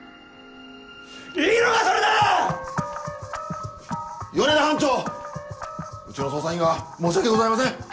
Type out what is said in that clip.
いいのかそれで‼米田班長うちの捜査員が申し訳ございません。